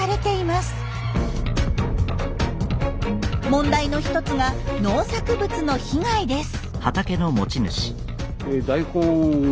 問題の１つが農作物の被害です。